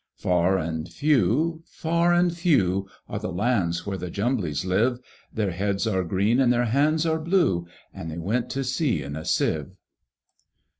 Far and few, far and few, Are the lands where the Jumblies live; Their heads are green, and their hands are blue, And they went to sea in a Sieve.